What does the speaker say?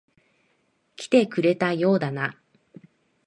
来てくれたようだな。